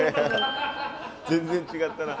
全然違ったな。